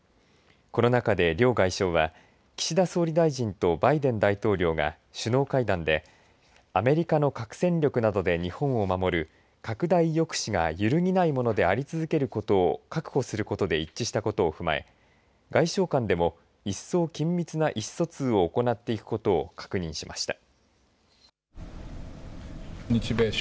この中で、両外相は岸田総理大臣とバイデン大統領が首脳会談でアメリカの核戦力などで日本を守る拡大抑止が揺るぎないものであり続けることを確保することで一致したことを踏まえ外相間でも、一層緊密な意思疎通を行っていくことを確認しました。